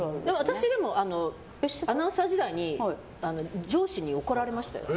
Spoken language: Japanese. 私でもアナウンサー時代に上司に怒られましたよ。